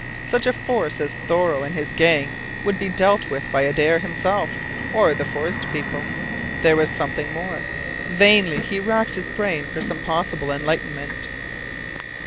Such a force as Thoreau and his gang would be dealt with by Adare himself, or the forest people. There was something more. Vainly he racked his brain for some possible enlightenment.